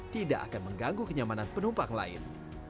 tidak akan mengganggu kenyamanan penumpang lain